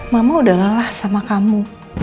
mama udah lelah sama kamu